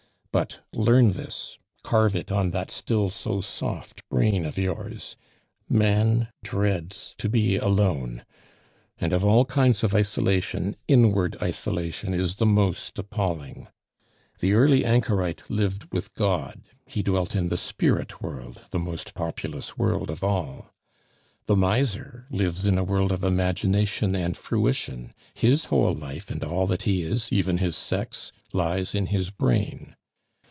But, learn this, carve it on that still so soft brain of yours man dreads to be alone. And of all kinds of isolation, inward isolation is the most appalling. The early anchorite lived with God; he dwelt in the spirit world, the most populous world of all. The miser lives in a world of imagination and fruition; his whole life and all that he is, even his sex, lies in his brain.